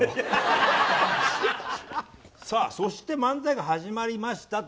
そして漫才が始まりましたと。